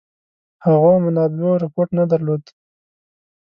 هغو منابعو رپوټ نه درلوده.